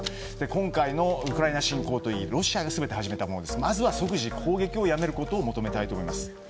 今回のウクライナ侵攻といいロシアが始めたことなのでまずは即時攻撃をやめることを求めたいと思います。